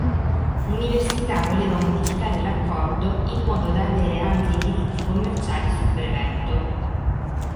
L'Università voleva modificare l'accordo in modo da avere anche i diritti commerciali sul brevetto.